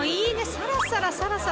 サラサラサラサラ。